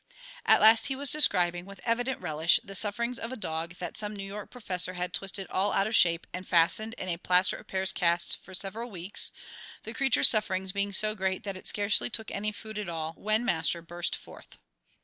At last he was describing, with evident relish, the sufferings of a dog that some New York professor had twisted all out of shape and fastened in a plaster of Paris cast for several weeks, the creature's sufferings being so great that it scarcely took any food at all, when Master burst forth.